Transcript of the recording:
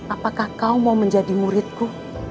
apakah kau mau menjadi muridku